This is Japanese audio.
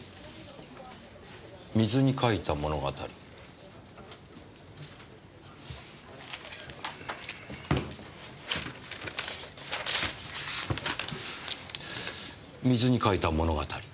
『水に書いた物語』『水に書いた物語』。